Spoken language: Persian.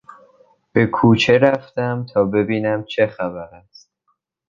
به کوچه رفتم تا ببینم چه خبر است.